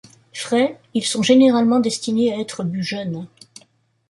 Frais, ils sont généralement destinés à être bus jeunes.